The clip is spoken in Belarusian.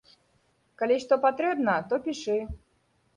Калі што патрэбна то пішы.